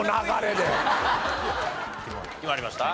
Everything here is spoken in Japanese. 決まりました？